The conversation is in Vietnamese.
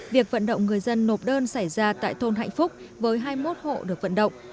việc vận động người dân nộp đơn xảy ra tại thôn hạnh phúc với hai mươi một hộ được vận động